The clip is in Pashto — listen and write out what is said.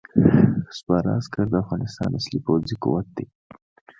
سپاره عسکر د افغانستان اصلي پوځي قوت دی.